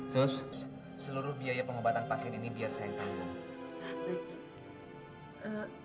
sus seluruh biaya pengobatan pasien ini biar saya tanggung